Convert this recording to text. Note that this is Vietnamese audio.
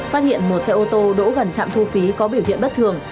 phát hiện một xe ô tô đỗ gần trạm thu phí có biểu hiện bất thường